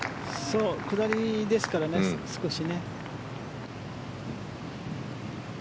下りですからね、少し。